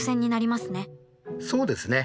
そうですね。